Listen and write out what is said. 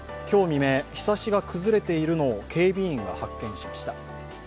今日未明、ひさしが崩れているのを警備員が発見しました。